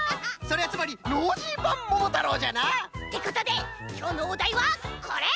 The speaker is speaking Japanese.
それはつまりノージーばん「ももたろう」じゃな？ってことできょうのおだいはこれ！